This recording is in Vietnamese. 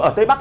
ở tây bắc